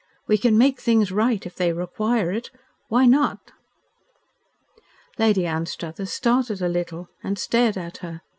We can make things right if they require it. Why not?" Lady Anstruthers started a little, and stared at her.